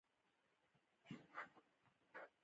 کاري پلان ترسره کیدونکې دندې لري.